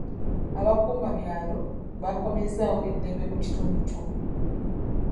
Abukuuma byalo bakomezzaawo eddembe mu kitundu kyo.